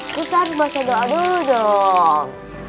lu taruh bahasa doa dulu dong